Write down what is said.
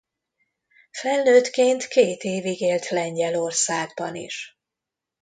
Felnőttként két évig élt Lengyelországban is.